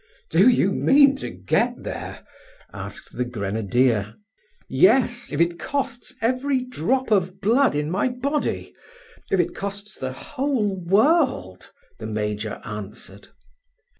"Do you mean to get there?" asked the grenadier. "Yes, if it costs every drop of blood in my body! if it costs the whole world!" the major answered.